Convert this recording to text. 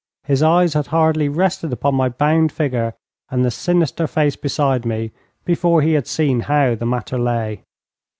His eyes had hardly rested upon my bound figure and the sinister face beside me before he had seen how the matter lay.